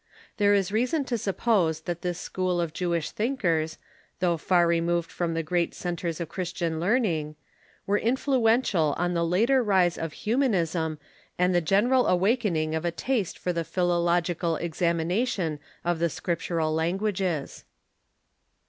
There is reason to suppose that this school of Jewish thinkers, though far removed from the great centres of Christian learning, were influential on the . later rise of Humanism and the general awakening of a taste for the philological examination of the scriptural languages.